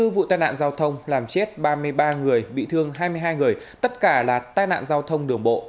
hai mươi vụ tai nạn giao thông làm chết ba mươi ba người bị thương hai mươi hai người tất cả là tai nạn giao thông đường bộ